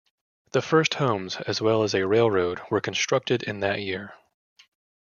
The first homes, as well as a railroad, were constructed in that year.